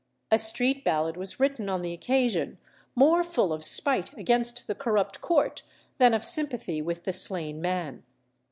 A street ballad was written on the occasion, more full of spite against the corrupt court than of sympathy with the slain man.